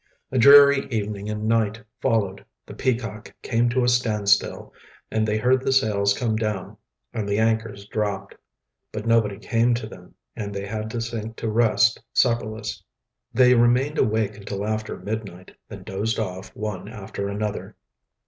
A dreary evening and night followed. The Peacock came to a standstill, and they heard the sails come down and the anchors dropped. But nobody came to them, and they had to sink to rest supperless. They remained awake until after midnight, then dozed off one after another.